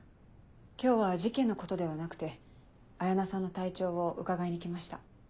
今日は事件のことではなくて彩菜さんの体調を伺いに来ました。